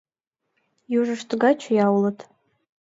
Южышт тугай чоя улыт.